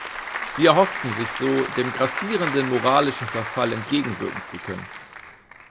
Sie erhoffen sich so, dem grassierenden moralischen Verfall entgegenwirken zu können.